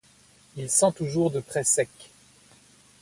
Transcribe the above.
Il sent toujours de près sec.